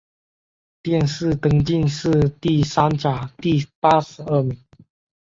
殿试登进士第三甲第八十二名。